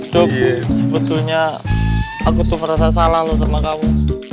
dok sebetulnya aku tuh merasa salah loh sama kamu